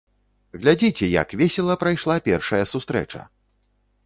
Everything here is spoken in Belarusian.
Глядзіце, як весела прайшла першая сустрэча!